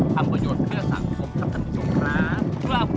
ทำประโยชน์เพื่อสังคมครับท่านผู้ชมครับ